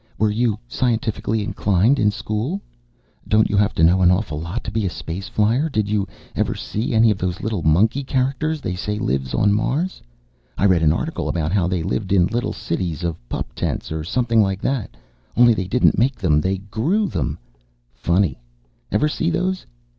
Were you scientifically inclined in school? Don't you have to know an awful lot to be a space flyer? Did you ever see any of those little monkey characters they say live on Mars? I read an article about how they lived in little cities of pup tents or something like that only they didn't make them, they grew them. Funny! Ever see those?